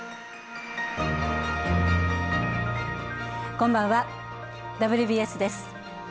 こんばんは、「ＷＢＳ」です。